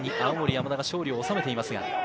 青森山田が勝利をおさめています。